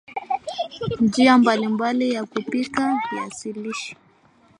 njia mbalimbali ya kupika viazi lishe